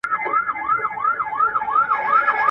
آزاد خان ازاد اسحاقزى رحمدل